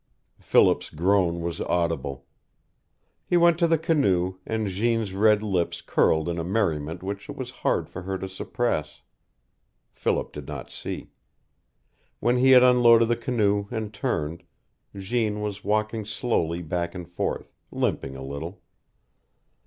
Philip's groan was audible. He went to the canoe, and Jeanne's red lips curled in a merriment which it was hard for her too suppress. Philip did not see. When he had unloaded the canoe and turned, Jeanne was walking slowly back and forth, limping a little.